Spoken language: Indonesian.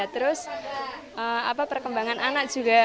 terus perkembangan anak juga